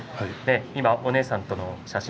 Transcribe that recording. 今、お姉さんとの写真。